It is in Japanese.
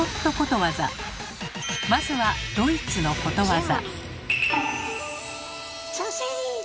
うんドイツのことわざ。